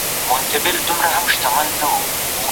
د امبولانس چلوونکی په لاره کې ډېر بېړه درلوده.